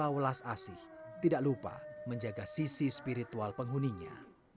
panti aura walas asih tidak lupa menjaga sisi spiritual penghuninya